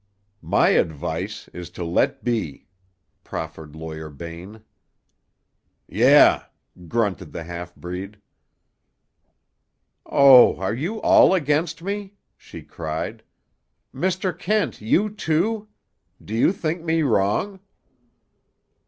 "My advice is to let be," proffered Lawyer Bain. "Yeh," grunted the half breed. "Oh, are you all against me?" she cried. "Mr. Kent, you, too? Do you think me wrong?"